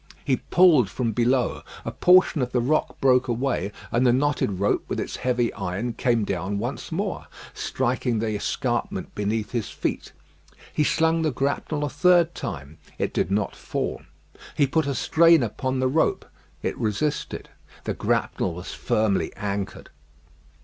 He pulled from below. A portion of the rock broke away, and the knotted rope with its heavy iron came down once more, striking the escarpment beneath his feet. He slung the grapnel a third time. It did not fall. He put a strain upon the rope; it resisted. The grapnel was firmly anchored.